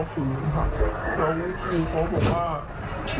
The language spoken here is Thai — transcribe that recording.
ยืนยันว่าจะไม่เคยเกิดเหตุการณ์แบบนี้อีก